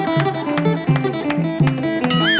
โอ้โฮ